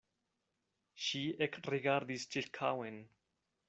Ŝi ekrigardis ĉirkaŭen.